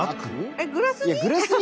えっグラスに！？